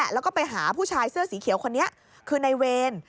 แล้วก็ไปหาผู้ชายเสื้อสีเขียวคนนี้คือในเวร